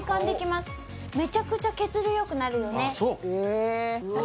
めちゃくちゃ血流よくなるよね？